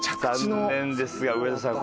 残念ですが上田さん